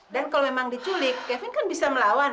dan kalau memang diculik kevin kan bisa melawan